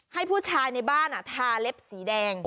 ให้ผู้ชายในบ้านทาเล็บสีแดง